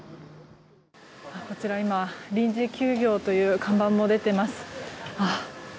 こちら今臨時休業という看板も出ています。